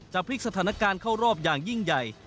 พลิกสถานการณ์เข้ารอบอย่างยิ่งใหญ่